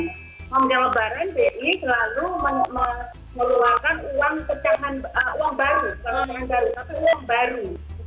kalau menjelang lebaran bi selalu meluangkan uang pecahan uang baru tapi uang baru